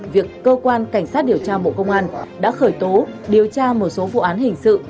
việc cơ quan cảnh sát điều tra bộ công an đã khởi tố điều tra một số vụ án hình sự